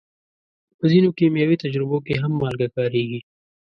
په ځینو کیمیاوي تجربو کې هم مالګه کارېږي.